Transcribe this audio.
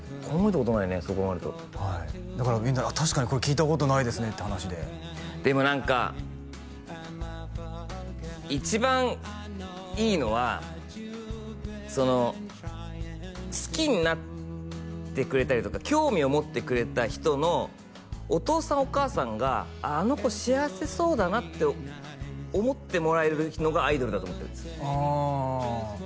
考えたことないねそう考えるとだからみんな確かにこれ聞いたことないですねって話ででも何か一番いいのはその好きになってくれたりとか興味を持ってくれた人のお父さんお母さんがあの子幸せそうだなって思ってもらえるのがアイドルだと思ってるああ